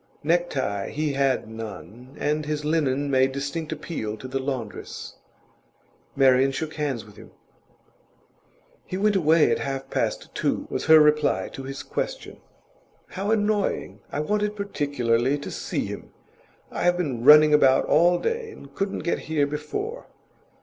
Necktie he had none, and his linen made distinct appeal to the laundress. Marian shook hands with him. 'He went away at half past two,' was her reply to his question. 'How annoying! I wanted particularly to see him. I have been running about all day, and couldn't get here before.